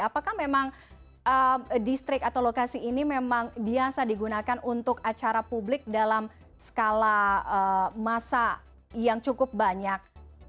apakah memang distrik atau lokasi ini memang biasa digunakan untuk acara publik dalam skala masa yang cukup banyak